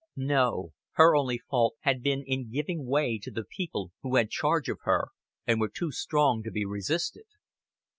No, her only fault had been in giving way to the people who had charge of her, and who were too strong to be resisted.